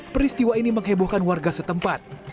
peristiwa ini menghebohkan warga setempat